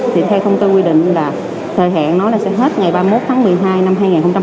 thì theo công tư quy định là thời hạn nó sẽ hết ngày ba mươi một tháng một mươi hai năm hai nghìn hai mươi một